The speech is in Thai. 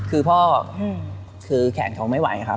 คือพ่อคือแขนเขาไม่ไหวครับ